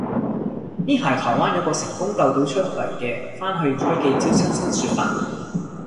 呢排台灣有個成功救到出嚟嘅返去開記招親身說法